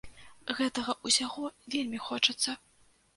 Гэтага ўсяго вельмі хочацца.